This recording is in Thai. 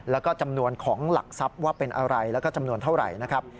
แล้วก็จำนวนของหลักทรัพย์ว่าเป็นอะไรแล้วก็จำนวนเท่าไหร่นะครับ